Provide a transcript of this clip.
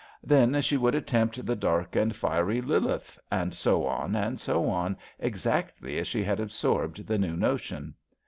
Then she would attempt the dark and fiery Lilith, and so and so on, exactly as she had absorbed the new notion.